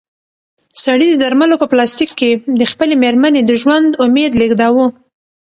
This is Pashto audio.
سړي د درملو په پلاستیک کې د خپلې مېرمنې د ژوند امید لېږداوه.